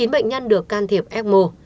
chín bệnh nhân được can thiệp f một